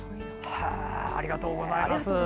ありがとうございます。